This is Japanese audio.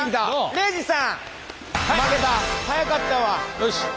よし！